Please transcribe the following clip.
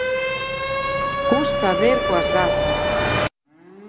Custa ver coas gafas.